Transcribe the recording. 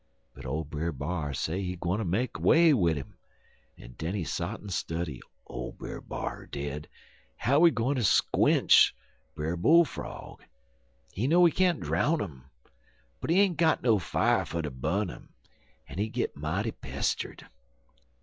"But ole Brer B'ar say he gwineter make way wid 'im, en den he sot en study, ole Brer B'ar did, how he gwineter squench Brer Bull frog. He know he can't drown 'im, en he ain't got no fier fer ter bu'n 'im, en he git mighty pestered.